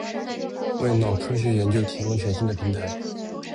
为脑科学研究提供全新的平台